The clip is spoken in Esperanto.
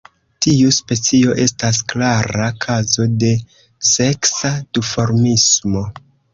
Tiu specio estas klara kazo de seksa duformismo.